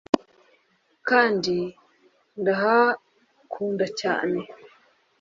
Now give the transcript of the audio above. kandi ndahakunda cyane